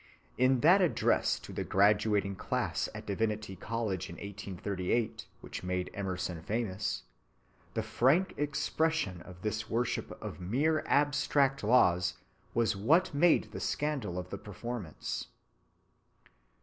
In that address to the graduating class at Divinity College in 1838 which made Emerson famous, the frank expression of this worship of mere abstract laws was what made the scandal of the performance.